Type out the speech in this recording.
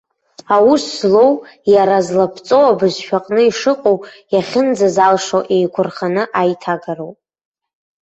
Аус злоу, иара злаԥҵоу абызшәаҟны ишыҟоу, иахьынӡазалшо еиқәырханы аиҭагароуп.